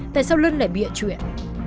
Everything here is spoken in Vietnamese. tại sao lân lại bịa chuyện